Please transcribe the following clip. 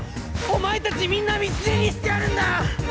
お前たちみんな道連れにしてやるんだ！！